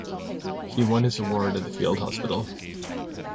He won his award at the field hospital.